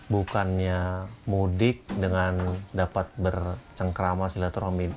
bukannya mudik dengan dapat bercengkrama silaturahmi